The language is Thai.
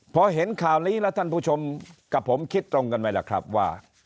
พอเห็นข่าวนี้แล้วท่านผู้ชมกับผมคิดตรงกันไหมล่ะครับว่า